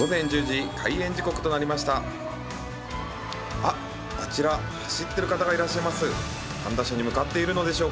あっ、あちら走っている方がいらっしゃいます。